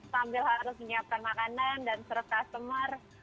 sambil harus menyiapkan makanan dan surp customer